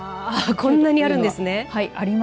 こんなにあるんですね。